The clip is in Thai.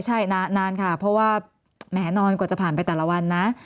ใช่นานค่ะเพราะว่าแหมนอนกว่าจะผ่านไปแต่ละวันนะ